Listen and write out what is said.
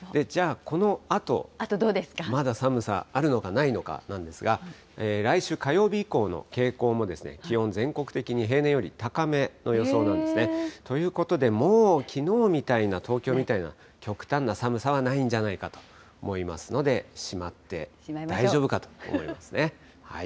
じゃあ、このあと、まだ寒さあるのか、ないのかなんですが、来週火曜日以降の傾向もですね、気温、全国的に平年より高めの予想なんですね。ということでもうきのうみたいな、東京みたいな極端な寒さはないんじゃないかと思いますので、しまって大丈夫かと思いますね。